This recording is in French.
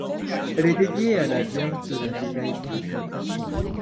Elle est dédiée à la Vierge de la Médaille Miraculeuse.